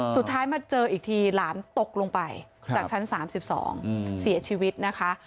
สุดท้ายมาเจออีกทีหลานตกลงไปจากชั้น๓๒เสียชีวิตนะคะ